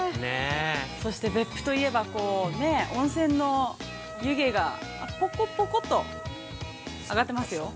そして別府といえば温泉の湯気がぽこぽこと、上がってますよ。